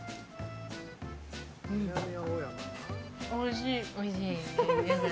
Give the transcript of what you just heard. おいしい。